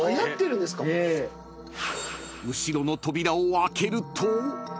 ［後ろの扉を開けると］